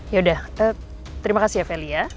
yaudah terima kasih ya feli ya